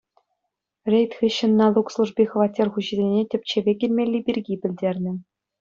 Рейд хыҫҫӑн налук служби хваттер хуҫисене тӗпчеве килмелли пирки пӗлтернӗ.